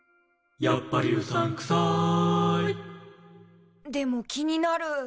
「やっぱりうさんくさい」でも気になる。